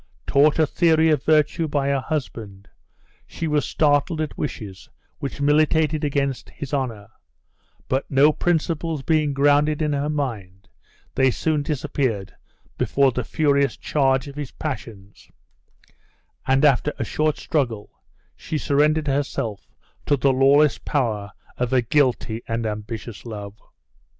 Taught a theory of virtue by her husband, she was startled at wishes which militated against his honor, but no principles being grounded in her mind, they soon disappeared before the furious charge of his passions, and after a short struggle she surrendered herself to the lawless power of a guilty and ambitious love.